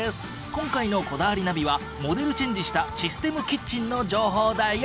今回の『こだわりナビ』はモデルチェンジしたシステムキッチンの情報だよ。